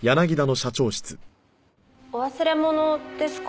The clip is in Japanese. お忘れ物ですか？